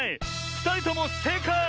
ふたりともせいかい！